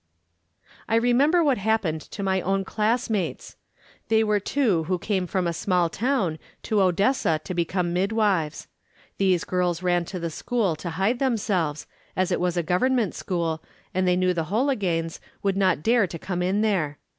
I remember what happened to my own class mates. They were two who came from a small town to Odessa to become midwives. These girls ran to the school to hide themselves as it was a government school, and they knew the Holiganes would not dare to come in there.